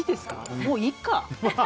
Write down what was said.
もういっか。